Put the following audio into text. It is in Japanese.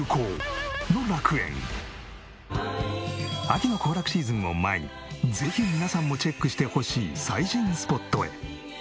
秋の行楽シーズンを前にぜひ皆さんもチェックしてほしい最新スポットへ。